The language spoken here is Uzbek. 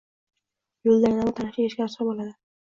Yo‘lda yana bir tanishini ergashtirib oladi.